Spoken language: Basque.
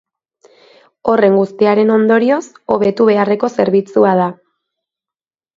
Horren guztiaren ondorioz, hobetu beharreko zerbitzua da.